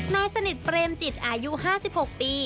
นายสนิทเปรมจิตอายุ๕๖ปี